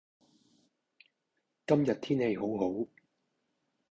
今日天氣好好